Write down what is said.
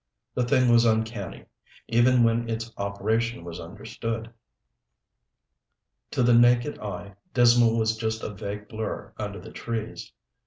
The thing was uncanny, even when its operation was understood. To the naked eye, Dismal was just a vague blur under the trees.